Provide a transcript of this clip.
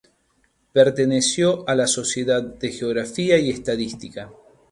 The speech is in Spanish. Perteneció a la Sociedad de Geografía y Estadística.